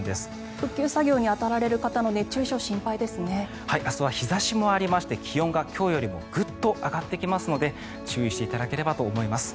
復旧作業に当たられる方の熱中症明日は日差しもありまして気温が今日よりもグッと上がってきますので注意していただければと思います。